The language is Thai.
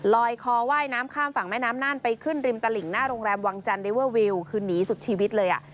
คอว่ายน้ำข้ามฝั่งแม่น้ำน่านไปขึ้นริมตลิ่งหน้าโรงแรมวังจันทร์เดเวอร์วิวคือหนีสุดชีวิตเลยอ่ะ